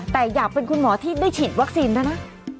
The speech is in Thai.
แต่อยากเป็นคุณหมอที่ได้ฉีดวัคซีนด้วยนะ